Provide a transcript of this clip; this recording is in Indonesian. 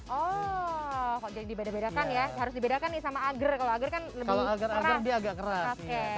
oh jadi beda beda kan ya harus dibedakan sama agar agar kan kalau agar agar dia agak keras